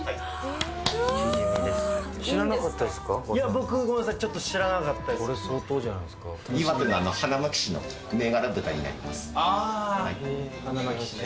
僕、ごめんなさい、知らなかこれ、岩手の花巻市の銘柄豚になります。